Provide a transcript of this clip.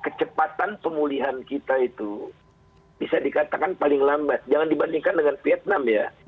kecepatan pemulihan kita itu bisa dikatakan paling lambat jangan dibandingkan dengan vietnam ya